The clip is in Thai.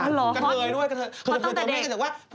กระเทยด้วยกระเทย